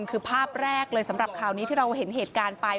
คือภาพแรกเลยสำหรับข่าวนี้ที่เราเห็นเหตุการณ์ไป